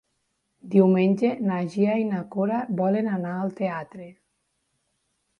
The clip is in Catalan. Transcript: Diumenge na Gina i na Cora volen anar al teatre.